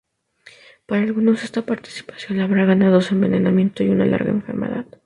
Para algunos, esta participación le habrá ganado su envenenamiento y una larga enfermedad.